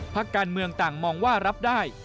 พักการเมืองต่างมองว่ารับได้